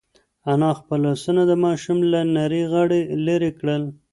انا خپل لاسونه د ماشوم له نري غاړې لرې کړل.